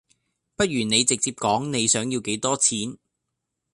不如你直接講你想要幾多錢